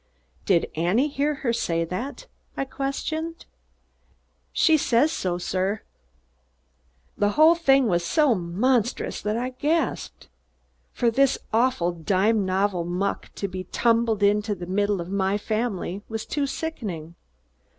"Did Annie hear her say that?" I questioned. "She says so, sir." The whole thing was so monstrous that I gasped. For this awful dime novel muck to be tumbled into the middle of my family was too sickening.